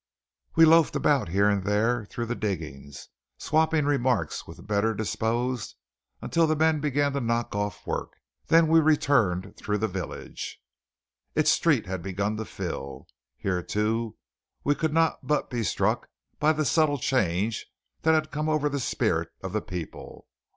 We loafed about here and there through the diggings, swapping remarks with the better disposed, until the men began to knock off work. Then we returned through the village. Its street had begun to fill. Here, too, we could not but be struck by the subtle change that had come over the spirit of the people.